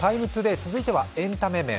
「ＴＩＭＥ，ＴＯＤＡＹ」続いてはエンタメ面。